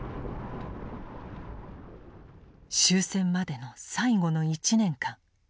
終戦までの最後の１年間。